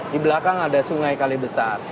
di belakang ada sungai kali besar